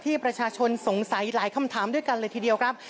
ประชาชนสงสัยหลายคำถามด้วยกันเลยทีเดียวครับ